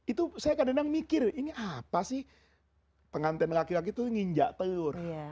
itu saya kadang kadang mikir ini apa sih pengantin laki laki itu nginjak telur